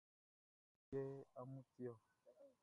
Wan yɛ amun bu i kɛ amun ti ɔ?